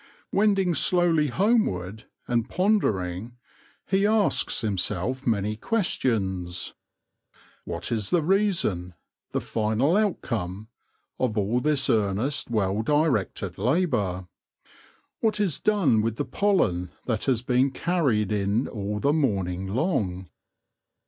Wending slowly homeward, and pondering, he asks himself many questions. What is the reason, the final outcome, of all this earnest, well directed labour ? What is done with the pollen that has been carried in all the morning long